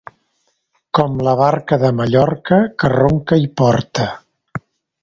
Com la barca de Mallorca, que ronca i porta.